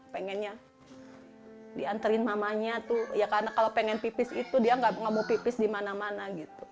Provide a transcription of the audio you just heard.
pengennya dianterin mamanya karena kalau ingin pipis itu dia tidak mau pipis di mana mana